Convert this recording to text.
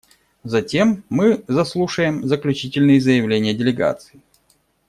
Затем мы заслушаем заключительные заявления делегаций.